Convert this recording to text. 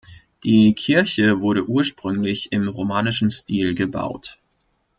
Die Kirche wurde ursprünglich im romanischen Stil gebaut.